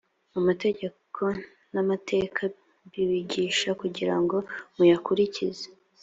amategeko n’amateka mbibigisha kugira ngo muyakurikize.